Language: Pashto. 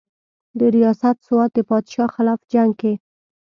درياست سوات د بادشاه خلاف جنګ کښې